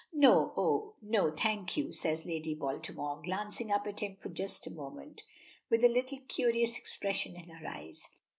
"No, oh! no, thank you," says Lady Baltimore, glancing up at him for just a moment, with a little curious expression in her eyes.